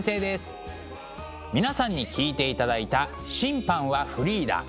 皆さんに聴いていただいた「審判はフリーダ」。